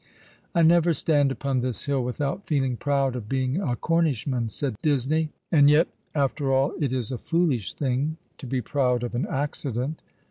"I never stand upon this hill without feeling proud of being a Cornishman," said Disney, " and yet, after all, it is a foolish thing to be proud of an accident.